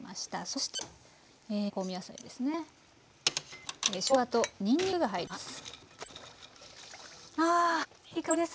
しょうがとにんにくが入ります。